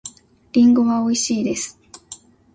リンゴはおいしいです。